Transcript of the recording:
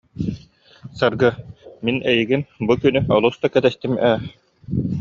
Саргы, мин эйигин, бу күнү олус да кэтэстим ээ